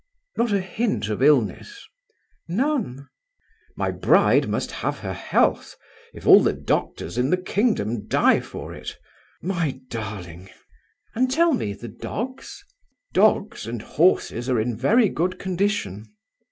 "Not a hint of illness?" "None." "My bride must have her health if all the doctors in the kingdom die for it! My darling!" "And tell me: the dogs?" "Dogs and horses are in very good condition."